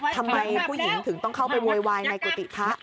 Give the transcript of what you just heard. ทำไมผู้หญิงถึงต้องเข้าไปโวยวายในกุฏิพระ